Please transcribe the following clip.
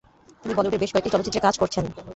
তিনি বলিউডের বেশ কয়েকটি চলচ্চিত্রে কাজ করছেন।